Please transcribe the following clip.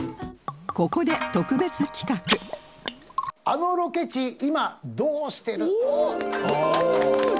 ここであのロケ地今どうしてる？